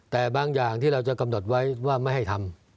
แต่บางอย่างที่เราจะกำหนดไว้ว่าไม่ให้ทำ